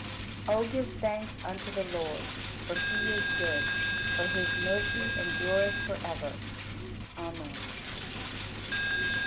54. O give thanks unto the Lord, for He is good; for His mercy endureth forever. Amen.